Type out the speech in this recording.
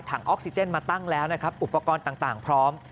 ออกซิเจนมาตั้งแล้วนะครับอุปกรณ์ต่างพร้อม